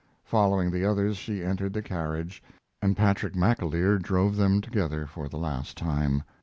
Following the others she entered the carriage, and Patrick McAleer drove them together for the last time.